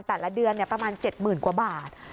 แต่ละเดือนประมาณ๗๐๐กว่าบาท